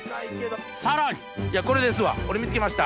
さらにこれですわ俺見つけました。